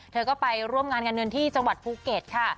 เธอก็ไปร่วมงานการเงินที่จังหวัดภูเก็ตค่ะ